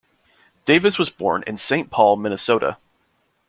Davis was born in Saint Paul, Minnesota.